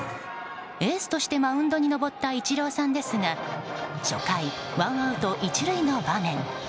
エースとしてマウンドに登ったイチローさんですが初回、ワンアウト１塁の場面。